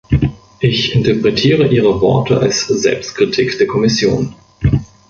Ich interpretiere Ihre Worte als Selbstkritik der Kommission.